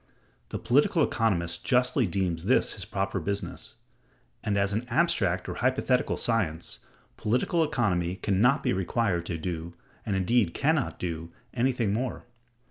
The political economist justly deems this his proper business: and, as an abstract or hypothetical science, political economy can not be required to do, and indeed can not do, anything more.